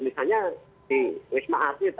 misalnya di wisma asyid